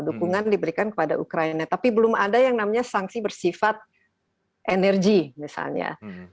dukungan diberikan kepada ukraina tapi belum ada yang namanya sanksi bersifat energi misalnya